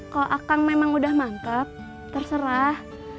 kalau akang memang udah mangkep terserah